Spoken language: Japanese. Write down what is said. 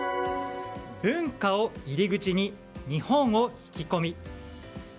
文化を入り口に日本を引き込み。